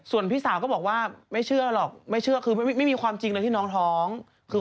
ส่วนพี่สาวก็บอกว่าไม่เชื่อหรอกไม่เชื่อคือไม่มีความจริงเลยที่น้องท้องคือ